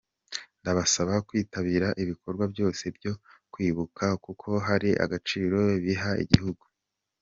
ndabasaba kwitabira ibikorwa byose byo kwibuka kuko hari agaciro biha igihugu.